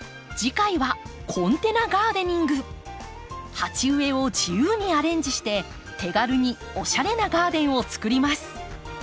鉢植えを自由にアレンジして手軽におしゃれなガーデンを作ります。